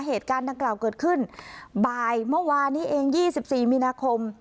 เหตุการณ์ดังกล่าวเกิดขึ้นบ่ายเมื่อวานนี้เอง๒๔มีนาคม